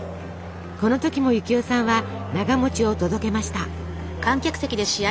この時も幸代さんはながを届けました。